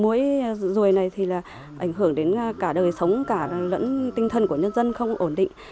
mũi rùi này ảnh hưởng đến cả đời sống cả lẫn tinh thần của nhân dân không ổn định